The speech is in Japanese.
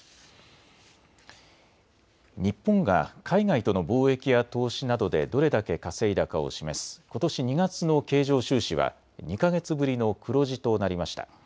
日本が海外との貿易や投資などでどれだけ稼いだかを示すことし２月の経常収支は２か月ぶりの黒字となりました。